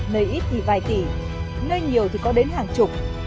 nơi ít thì vài tỷ nơi nhiều thì có đến hàng chục